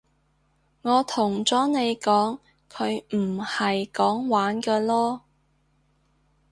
我同咗你講佢唔係講玩㗎囉